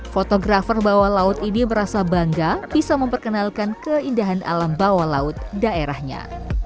fotografer bawah laut ini merasa bangga bisa memperkenalkan keindahan alam bawah laut daerahnya